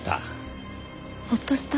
ほっとした？